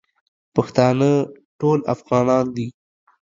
پښتانه ټول افغانان دي